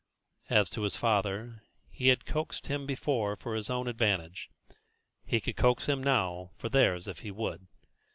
As to his father, he had coaxed him before for his own advantage; he could coax him now for theirs if he would.